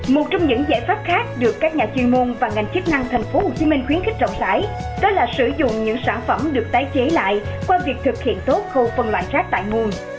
một trong những giải pháp khác được các nhà chuyên môn và ngành chức năng thành phố hồ chí minh khuyến khích rộng rãi đó là sử dụng những sản phẩm được tái chế lại qua việc thực hiện tốt khâu phân loại rác tại môn